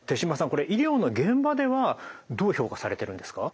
これ医療の現場ではどう評価されているんですか？